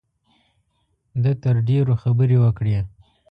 ده تر ډېرو خبرې وکړې.